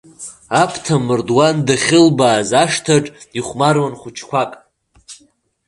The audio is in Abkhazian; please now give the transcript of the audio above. Аԥҭа амардуан дахьылбааз ашҭаҿ ихәмаруан хәыҷқәак.